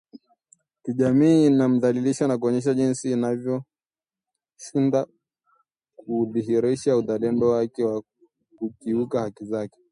kijamii ni kumdhalilisha na kuonyesha jinsi alivyoshindwa kudhihirisha uzalendo wake kwa kukiuka haki zake